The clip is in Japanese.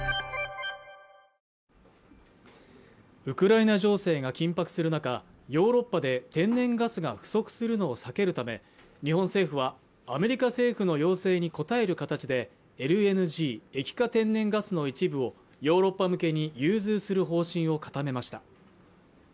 ウクライナ情勢が緊迫する中ヨーロッパで天然ガスが不足するのを避けるため日本政府はアメリカ政府の要請に応える形でＬＮＧ＝液化天然ガスの一部をヨーロッパ向けに融通する方針を固めました